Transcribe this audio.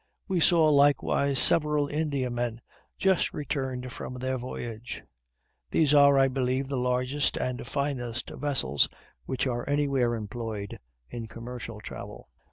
We saw likewise several Indiamen just returned from their voyage. These are, I believe, the largest and finest vessels which are anywhere employed in commercial affairs.